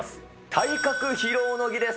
体格披露の儀です。